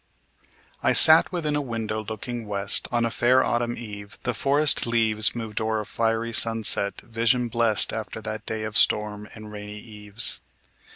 I sat within a window, looking west, On a fair autumn eve; the forest leaves Moved o'er a fiery sunset, vision blest After that day of storm and rainy eaves.